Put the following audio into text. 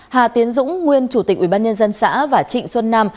hà tiến dũng nguyên chủ tịch ubnd xã và trịnh xuân nam